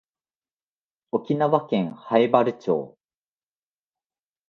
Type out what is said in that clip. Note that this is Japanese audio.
沖縄県南風原町